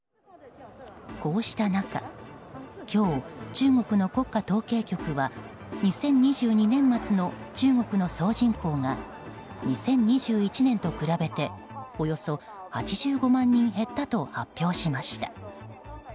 こうした中今日、中国の国家統計局は２０２２年末の中国の総人口が２０２１年と比べておよそ８５万人減ったと発表しました。